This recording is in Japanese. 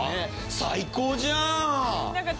最高じゃん！